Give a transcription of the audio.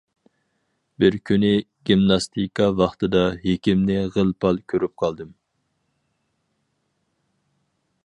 بىر كۈنى گىمناستىكا ۋاقتىدا ھېكىمنى غىل-پال كۆرۈپ قالدىم.